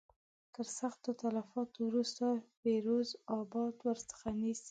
تر سختو تلفاتو وروسته فیروز آباد ورڅخه نیسي.